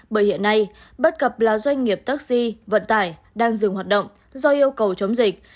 bởi hiện nay bất cập là doanh nghiệp taxi vận tải đang dừng hoạt động do yêu cầu chống dịch